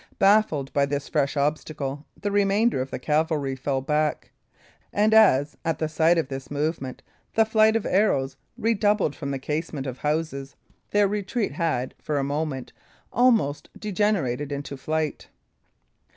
Baffled by this fresh obstacle, the remainder of the cavalry fell back; and as, at the sight of this movement, the flight of arrows redoubled from the casements of the houses, their retreat had, for a moment, almost degenerated into flight.